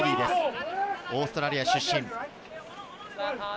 オーストラリア出身。